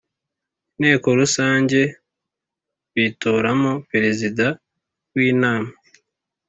Inteko rusange bitoramo perezida w inama